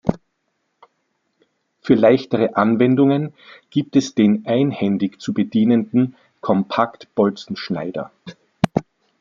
Für leichtere Anwendungen gibt es den einhändig zu bedienenden Kompakt-Bolzenschneider.